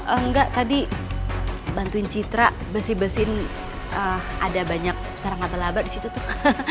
enggak tadi bantuin citra besi besin ada banyak sarang laba laba di situ tuh